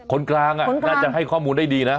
กลางอะกลางคนน่าจะให้ความรู้ได้ดีนะ